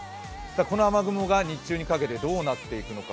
この雨雲が日中にかけてどうなっていくのか。